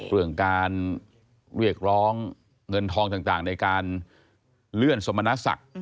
เรื่องการเรียกร้องเงินทองต่างในการเลื่อนสมณศักดิ์